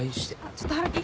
ちょっと春樹。